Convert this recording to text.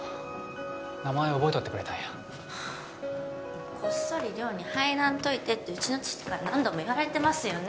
名前覚えとってくれたんやこっそり寮に入らんといてってうちの父から何度も言われてますよね？